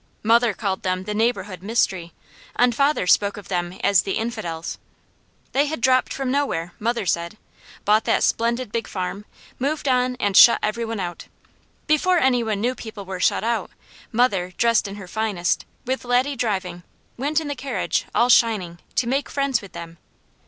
Mother called them the neighbourhood mystery, and father spoke of them as the Infidels. They had dropped from nowhere, mother said, bought that splendid big farm, moved on and shut out every one. Before any one knew people were shut out, mother, dressed in her finest, with Laddie driving, went in the carriage, all shining, to make friends with them.